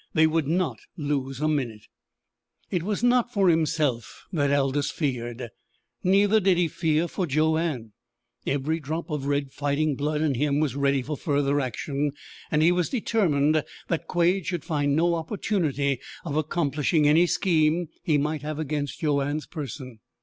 They would not lose a minute. It was not for himself that Aldous feared. Neither did he fear for Joanne. Every drop of red fighting blood in him was ready for further action, and he was determined that Quade should find no opportunity of accomplishing any scheme he might have against Joanne's person.